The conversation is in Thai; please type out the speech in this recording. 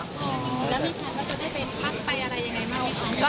แล้วมีคนก็จะได้ไปพักไปอะไรยังไงบ้างครับ